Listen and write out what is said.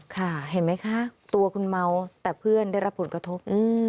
เห็นไหมคะตัวคุณเมาแต่เพื่อนได้รับผลกระทบ